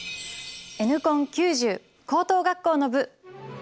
「Ｎコン９０」高等学校の部。